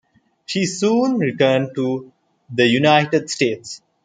She soon returned to the United States.